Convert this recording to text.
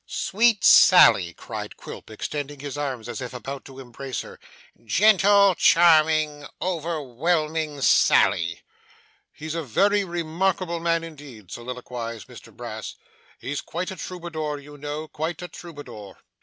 'Sweet Sally!' cried Quilp, extending his arms as if about to embrace her. 'Gentle, charming, overwhelming Sally.' 'He's a very remarkable man indeed!' soliloquised Mr Brass. 'He's quite a Troubadour, you know; quite a Troubadour!